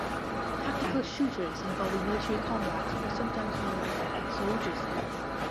Tactical shooters involving military combat are sometimes known as "soldier sims".